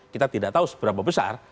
kita tidak tahu seberapa besar